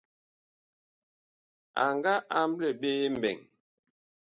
A nga amble ɓe mɓɛɛŋ.